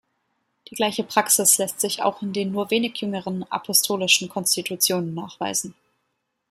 Die gleiche Praxis lässt sich auch in den nur wenig jüngeren Apostolischen Konstitutionen nachweisen.